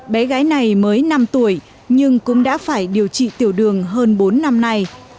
bé gái này mới năm tuổi nhưng cũng đã phải điều trị tiểu đường hơn bốn năm nay